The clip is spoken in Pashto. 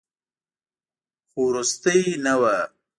خو وروستۍ نه وه.